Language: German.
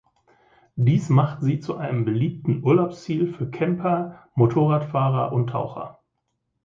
Dies macht sie zu einem beliebten Urlaubsziel für Camper, Motorradfahrer und Taucher.